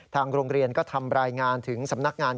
ทางโรงเรียนก็ทำรายงานถึงสำนักงาน